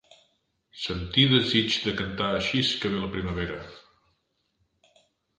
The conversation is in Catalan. Sentir desitj de cantar axis que ve la primavera